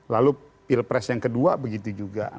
lalu pilpres yang kedua begitu juga